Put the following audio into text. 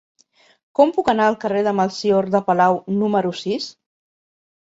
Com puc anar al carrer de Melcior de Palau número sis?